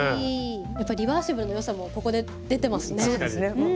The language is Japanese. リバーシブルのよさもここで出てますね。